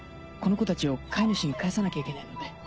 このコたちを飼い主に返さなきゃいけないので。